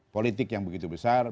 politik yang begitu besar